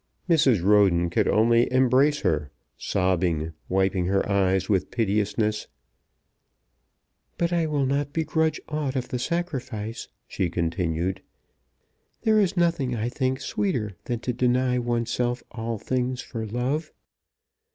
Mrs. Roden could only embrace her, sobbing, wiping her eyes with piteousness. "But I will not begrudge aught of the sacrifice," she continued. "There is nothing, I think, sweeter than to deny oneself all things for love.